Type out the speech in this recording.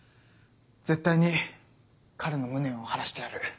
絶対に彼の無念を晴らしてやる。